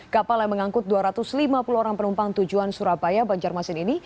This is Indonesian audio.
kapal yang mengangkut dua ratus lima puluh orang penumpang tujuan surabaya banjarmasin ini